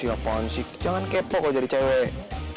apaan sih jangan kepo kalo jadi cewek